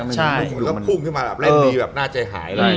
มันต้องพุ่งเข้ามาแบบเล่นดีแบบหน้าใจหาย